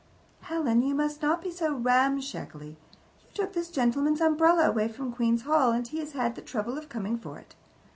"Helen, you must not be so ramshackly. You took this gentleman's umbrella away from Queen's Hall, and he has had the trouble of coming for it."